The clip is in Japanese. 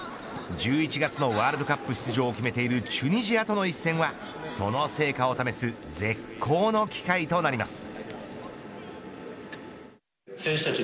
１１月のワールドカップ出場を決めているチュニジアとの一戦はその成果を試す絶好の機会となります。